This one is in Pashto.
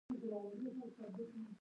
کوسۍ یې پر خپل ځان کلکه راونغاړله.